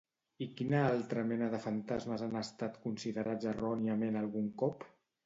I quina altra mena de fantasmes han estat considerats erròniament algun cop?